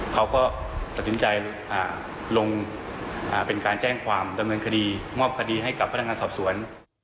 เขาก็ตัดสินใจลงเป็นการแจ้งความดำเนินคดีมอบคดีให้กับพนักงานสอบสวน